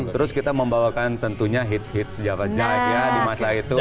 terus kita membawakan tentunya hits hits java jazz ya di masa itu